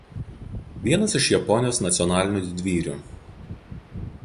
Vienas iš Japonijos nacionalinių didvyrių.